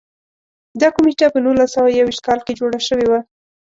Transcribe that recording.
دا کمېټه په نولس سوه یو ویشت کال کې جوړه شوې وه.